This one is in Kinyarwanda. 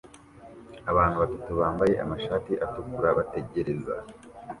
Abantu batatu bambaye amashati atukura bategereza